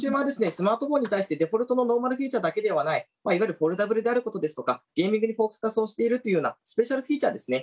スマートフォンに対してデフォルトのノーマルフィーチャーだけではないいわゆるフォルダブルであることですとかゲーミングにフォーカスをしているというようなスペシャルフィーチャーでですね